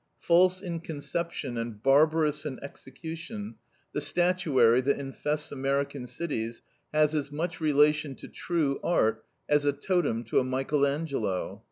False in conception and barbarous in execution, the statuary that infests American cities has as much relation to true art, as a totem to a Michael Angelo.